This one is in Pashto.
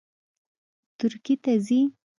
ترکیې ته ځي